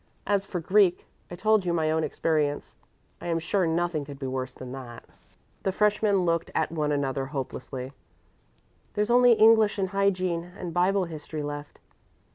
As for Greek, I told you my own experience; I am sure nothing could be worse than that." The freshmen looked at one another hopelessly. "There's only English and hygiene and Bible history left."